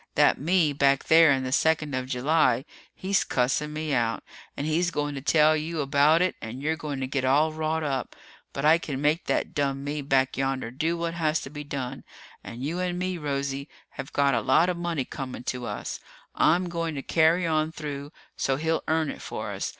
That me back there in the second of July, he's cussing me out. And he's going to tell you about it and you're going to get all wrought up. But I can make that dumb me back yonder do what has to be done. And you and me, Rosie, have got a lot of money coming to us. I'm going to carry on through so he'll earn it for us.